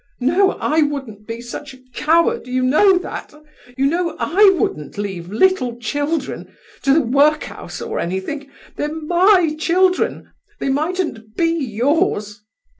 No, I wouldn't be such a coward, you know that. You know I wouldn't leave little children—to the workhouse or anything. They're my children; they mightn't be yours."